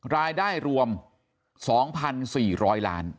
รายได้รวม๒๔๐๐ล้าน